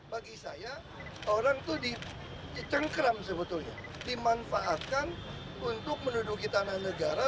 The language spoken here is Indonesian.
bagi saya orang itu dicengkram sebetulnya dimanfaatkan untuk menduduki tanah negara